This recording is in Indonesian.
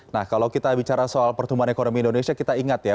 nah kalau kita bicara soal pertumbuhan ekonomi indonesia kita ingat ya